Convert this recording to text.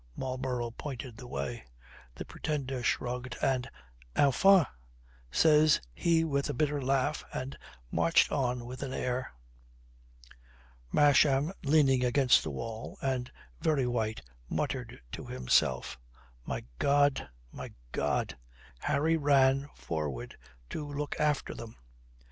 Marlborough pointed the way. The Pretender shrugged, and "Enfin," says he with a bitter laugh, and marched on with an air. Masham, leaning against the wall and very white, muttered to himself, "My God, my God!" Harry ran forward to look after them.